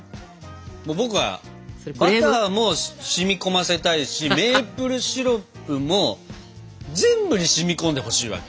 僕はバターも染み込ませたいしメープルシロップも全部に染み込んでほしいわけよ。